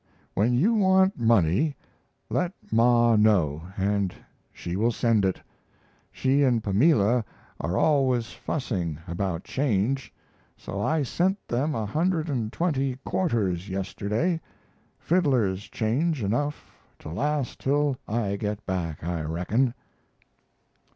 When you want money, let Ma know, and she will send it. She and Pamela are always fussing about change, so I sent them a hundred and twenty quarters yesterday fiddler's change enough to last till I get back, I reckon.